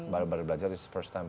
baru baru belajar is first time